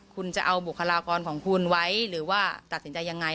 คุณจะเอาบุคลากรของคุณไว้หรือว่าตัดสินใจยังไง